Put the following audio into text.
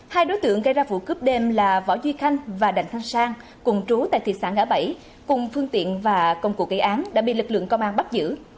hai đối tượng gây ra vụ cướp đêm là võ duy khanh và đặng thanh sang cùng trú tại thị xã ngã bảy cùng phương tiện và công cụ gây án đã bị lực lượng công an bắt giữ